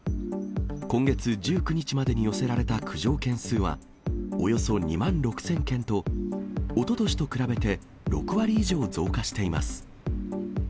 今月１９日までに寄せられた駆除件数は、およそ２万６０００件と、おととしと比べて６割以上増加しています。